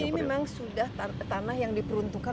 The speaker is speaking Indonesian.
jadi ini memang sudah tanah yang diperuntukkan